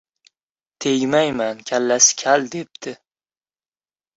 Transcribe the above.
— Tegmayman, kallasi kal, — debdi.